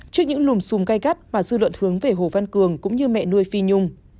trước những lùm xùm gai gắt mà dư luận hướng về hồ văn cường cũng như mẹ nuôi phi nhung